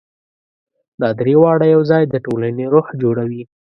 دا درې واړه یو ځای د ټولنې روح جوړوي.